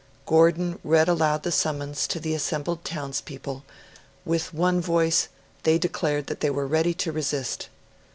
Gordon read aloud the summons to the assembled townspeople; with one voice they declared that they were ready to resist.